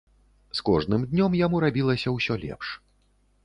З кожным днём яму рабілася ўсё лепш.